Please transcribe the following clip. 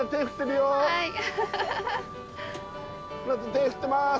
手振ってます。